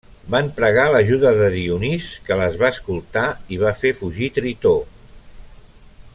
Van pregar l'ajuda de Dionís, que les va escoltar i va fer fugir Tritó.